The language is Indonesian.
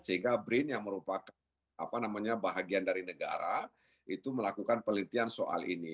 sehingga brin yang merupakan bahagian dari negara itu melakukan penelitian soal ini